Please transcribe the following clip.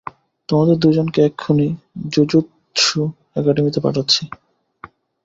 তোমাদের দুজনকে এক্ষুণি জুজুৎসু একাডেমীতে পাঠাচ্ছি!